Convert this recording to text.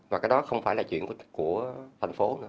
và cái đó không phải là chuyện của thành phố nữa